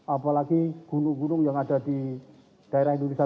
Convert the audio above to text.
apalagi gunung gunung yang ada di daerah indonesia